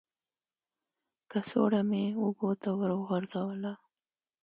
کڅوړه مې اوبو ته ور وغورځوله.